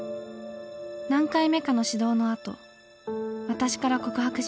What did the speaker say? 何回目かの指導のあと私から告白しました。